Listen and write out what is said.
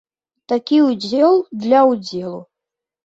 Такі ўдзел для ўдзелу.